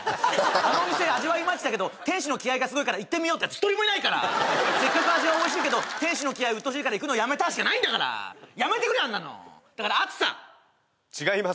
あのお店味はイマイチだけど店主の気合がすごいから行ってみようってやつ１人もいないからせっかく味はおいしいけど店主の気合うっとうしいから行くのやめたしかないんだからやめてくれあんなのだからあつさ違います